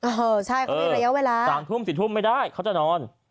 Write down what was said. เออใช่เขามีระยะเวลา๓ทุ่ม๔ทุ่มไม่ได้เขาจะนอน